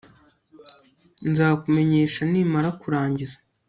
Nzakumenyesha nimara kurangiza